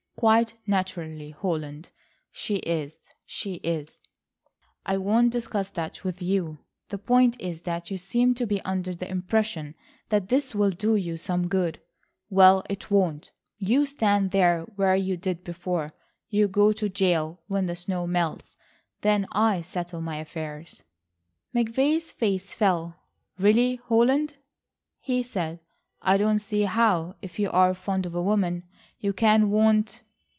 "Quite naturally, Holland. She is, she is." "I won't discuss that with you. The point is that you seem to be under the impression that this will do you some good. Well, it won't. You stand just where you did before. You go to jail when the snow melts. Then I settle my affairs." McVay's face fell. "Really, Holland," he said, "I don't see how, if you are fond of a woman you can want